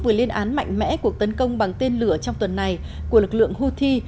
vừa lên án mạnh mẽ cuộc tấn công bằng tên lửa trong tuần này của lực lượng houthi